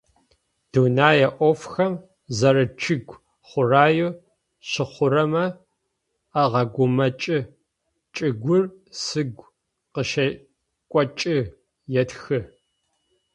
Дунэе Ӏофхэм, зэрэчӏыгу хъураеу щыхъурэмэ агъэгумэкӏы: «Чӏыгур сыгу къыщекӏокӏы»,- етхы.